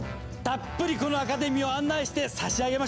たっぷりこのアカデミーを案内してさしあげましょう！